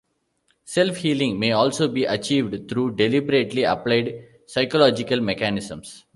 Self-healing may also be achieved through deliberately applied psychological mechanisms.